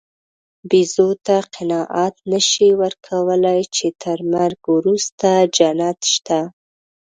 بیزو ته قناعت نهشې ورکولی، چې تر مرګ وروسته جنت شته.